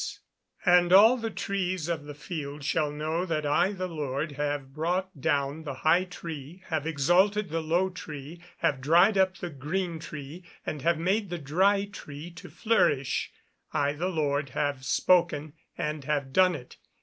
[Verse: "And all the trees of the field shall know that I the Lord have brought down the high tree, have exalted the low tree, have dried up the green tree, and have made the dry tree to flourish: I the Lord have spoken, and have done it."